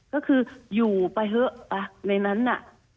ก็คืออยู่ไปเถอะในนั้นน่ะ